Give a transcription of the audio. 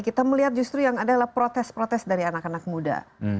kita melihat justru yang adalah protes protes dari anak anak muda